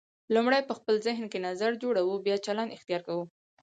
لومړی په ذهن کې نظر جوړوو بیا چلند اختیار کوو.